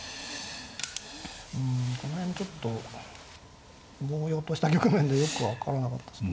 うんこの辺ちょっとぼう洋とした局面でよく分からなかったですね。